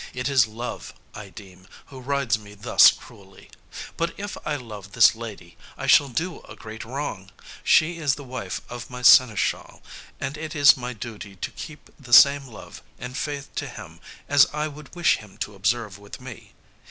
It is Love, I deem, who rides me thus cruelly. But if I love this lady I shall do a great wrong. She is the wife of my seneschal, and it is my duty to keep the same love and faith to him as I would wish him to observe with me.